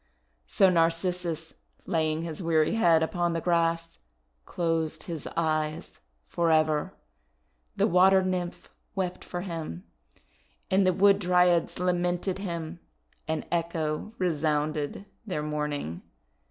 So Narcissus, laying his weary head upon the grass, closed his eyes forever. The Water Nymph wept for him, and the Wood Dryads lamented him, and Echo resounded their mourning.